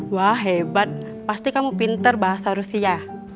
wah hebat pasti kamu pinter bahasa rusia